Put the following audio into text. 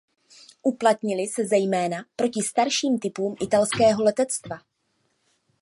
Uplatnily se zejména proti starším typům italského letectva.